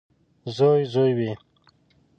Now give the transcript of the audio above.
• زوی زوی وي.